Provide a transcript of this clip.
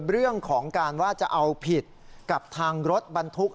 เรื่องของการว่าจะเอาผิดกับทางรถบรรทุก